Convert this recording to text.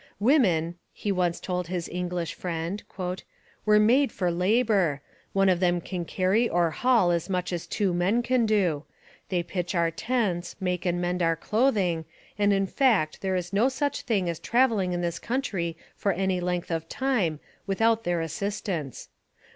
'Women,' he once told his English friend, 'were made for labour; one of them can carry or haul as much as two men can do; they pitch our tents, make and mend our clothing, and in fact there is no such thing as travelling in this country for any length of time without their assistance.